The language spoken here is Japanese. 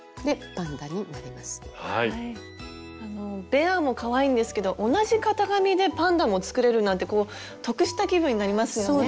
ベアもかわいいんですけど同じ型紙でパンダも作れるなんて得した気分になりますよね。